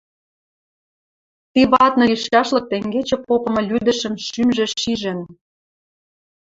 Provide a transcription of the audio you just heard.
Ти вадны лишӓшлык тенгечӹ попымы лӱдӹшӹм шӱмжӹ шижӹн.